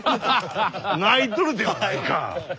泣いとるではないか。